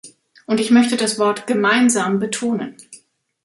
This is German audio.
Und ich möchte das Wort "gemeinsam" betonen.